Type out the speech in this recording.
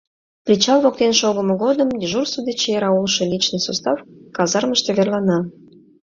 Причал воктен шогымо годым дежурство деч яра улшо личный состав казармыште верлана.